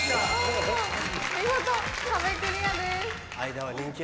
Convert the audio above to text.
見事壁クリアです。